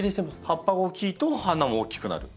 葉っぱが大きいと花も大きくなる。